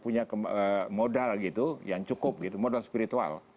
ada orang yang sudah punya modal gitu yang cukup gitu modal spiritual